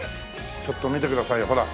ちょっと見てくださいよほら。